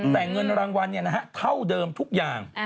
แต่เงินรางวัลเท่าเดิมทุกอย่าง